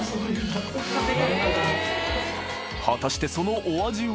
［果たしてそのお味は］